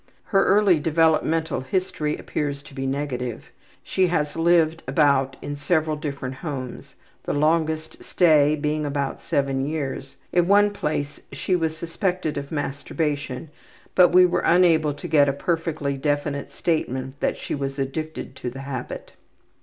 Her early developmental history appears to be negative. She has lived about in several different homes, the longest stay being about seven years. In one place she was suspected of masturbation, but we were unable to get a perfectly definite statement that she was addicted to the habit.